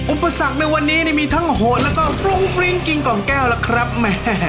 อุปสรรคในวันนี้มีทั้งโหดแล้วก็ฟรุ้งฟริ้งกินกล่องแก้วล่ะครับแม่